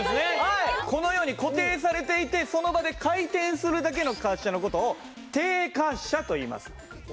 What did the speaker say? このように固定されていてその場で回転するだけの滑車の事を定滑車。